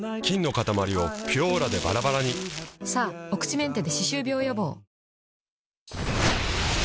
菌のかたまりを「ピュオーラ」でバラバラにさぁお口メンテで歯周病予防。